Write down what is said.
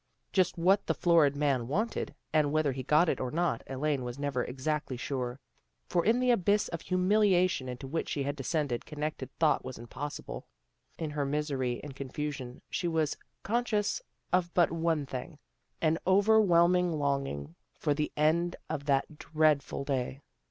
Just what the florid man wanted, and A REMARKABLE EVENING 287 whether he got it 'or not, Elaine was never exactly sure. For in the abyss of humiliation into which she had descended connected thought was impossible. In her misery and confusion she was conscious of but one thing, an overwhelm ing longing for the end of that dreadful day.